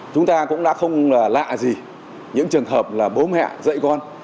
chúng ta cũng đã không lạ gì những trường hợp là bố mẹ dạy con